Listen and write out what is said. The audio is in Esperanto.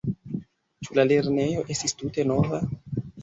Ĉu la lernejo estis tute nova?